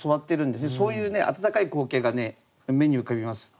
そういうね温かい光景が目に浮かびます。